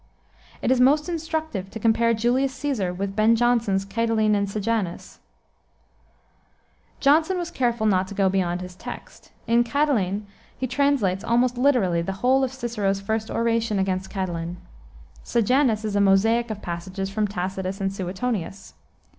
It is most instructive to compare Julius Caesar with Ben Jonson's Catiline and Sejanus. Jonson was careful not to go beyond his text. In Catiline he translates almost literally the whole of Cicero's first oration against Catiline. Sejanus is a mosaic of passages, from Tacitus and Suetonius.